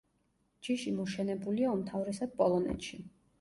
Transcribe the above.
ჯიში მოშენებულია უმთავრესად პოლონეთში.